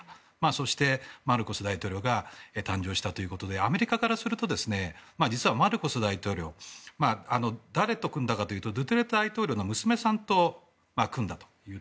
そして、マルコス大統領が誕生したということでアメリカからすると実は、マルコス大統領誰と組んだかというとドゥテルテ大統領の娘さんと組んだと。